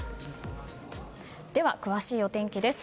では、詳しいお天気です。